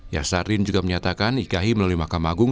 yasardin juga menyatakan ikai melalui mahkamah agung